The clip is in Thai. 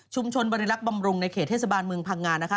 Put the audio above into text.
บริรักษ์บำรุงในเขตเทศบาลเมืองพังงานะคะ